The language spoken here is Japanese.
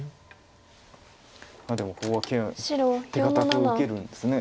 でもここは手堅く受けるんですね。